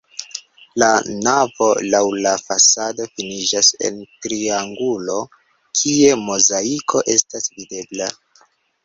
La navo laŭ la fasado finiĝas en triangulo, kie mozaiko estas videbla.